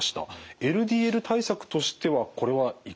ＬＤＬ対策としてはこれはいかがですか？